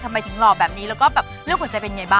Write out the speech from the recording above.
ทำไมถึงหล่อแบบนี้แล้วก็แบบเรื่องหัวใจเป็นไงบ้าง